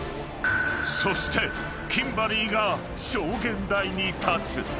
［そしてキンバリーが証言台に立つ］